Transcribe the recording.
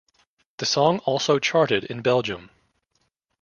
The song also charted in Belgium.